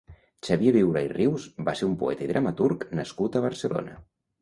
Xavier Viura i Rius va ser un poeta i dramaturg nascut a Barcelona.